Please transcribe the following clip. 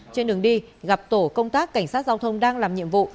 trên đường đi gặp tổ công tác cảnh sát giao thông đang làm nhiệm vụ